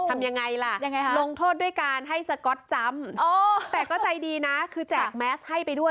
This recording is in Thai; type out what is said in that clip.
ทำยังไงล่ะยังไงฮะลงโทษด้วยการให้สก๊อตจำแต่ก็ใจดีนะคือแจกแมสให้ไปด้วย